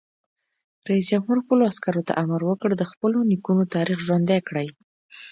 رئیس جمهور خپلو عسکرو ته امر وکړ؛ د خپلو نیکونو تاریخ ژوندی کړئ!